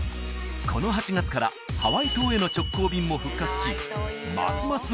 この８月からハワイ島への直行便も復活しますます